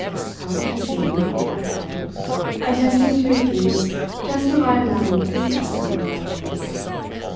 "How interesting," I said, attempting to infuse just the right amount of enthusiasm into my voice.